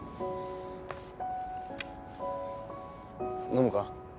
飲むか？